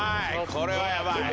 これはやばい。